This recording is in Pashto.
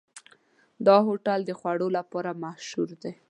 دا هوټل د خوړو له پلوه مشهور دی.